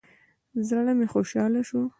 زړه مې خوشاله سو.